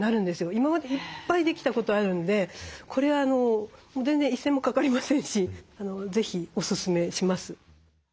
今までいっぱいできたことあるのでこれは全然一銭もかかりませんし是非おすすめします。